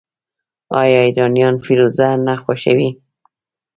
آیا ایرانیان فیروزه نه خوښوي؟